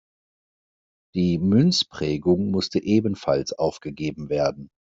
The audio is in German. Die Münzprägung musste ebenfalls aufgegeben werden.